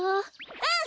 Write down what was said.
うん！